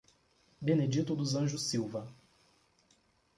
Benedito dos Anjos Silva